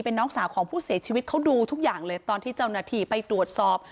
น้องสาวของผู้เสียชีวิตเขาดูทุกอย่างเลยตอนที่เจ้าหน้าที่ไปตรวจสอบ